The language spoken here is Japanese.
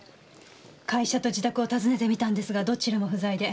会社と自宅を訪ねてみたんですがどちらも不在で。